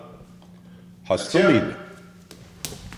Hasta mıydı?